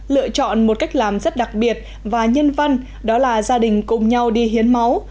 lựa chọn một cách làm rất đặc biệt và nhân văn đó là gia đình cùng nhau đi hiến máu